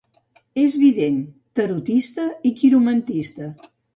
És vident, tarotista i quiromantista.